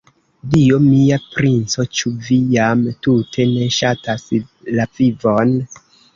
Dio mia, princo, ĉu vi jam tute ne ŝatas la vivon?